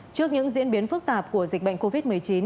trước những diễn biến phức tạp của dịch bệnh covid một mươi chín